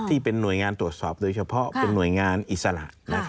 ที่เป็นหน่วยงานตรวจสอบโดยเฉพาะเป็นหน่วยงานอิสระ